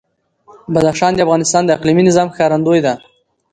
بدخشان د افغانستان د اقلیمي نظام ښکارندوی ده.